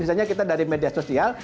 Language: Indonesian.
sebenarnya kita keluar dari media sosial